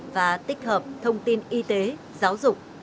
và tích hợp thông tin y tế giáo dục